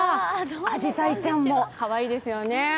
あじさいちゃんもかわいいですよね。